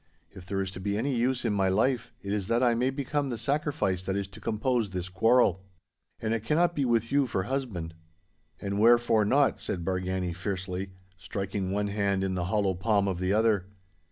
If there is to be any use in my life, it is that I may become the sacrifice that is to compose this quarrel. And it cannot be with you for husband.' 'And wherefore not?' said Bargany fiercely, striking one hand into the hollow palm of the other.